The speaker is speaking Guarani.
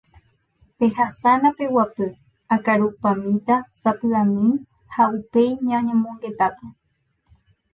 Pehasána peguapy akarupamíta sapy'ami ha upéi ñañomongetáta.